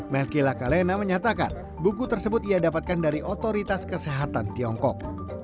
melki lakalena menyatakan buku tersebut ia dapatkan dari otoritas kesehatan tiongkok